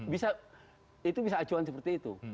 bisa itu bisa acuan seperti itu